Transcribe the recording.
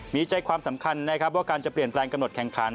มีใจความสำคัญนะครับว่าการจะเปลี่ยนแปลงกำหนดแข่งขัน